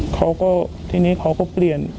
เขาก็ทีนี้เขาก็เปลี่ยน